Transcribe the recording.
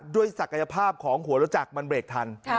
ศักยภาพของหัวรถจักรมันเบรกทัน